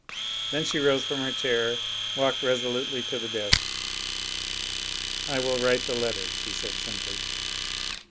Then she rose from her chair and walked resolutely up to the desk. "I will write the letter," she said simply.